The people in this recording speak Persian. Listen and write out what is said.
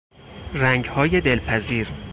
رنگهای دلپذیر